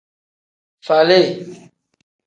Faali.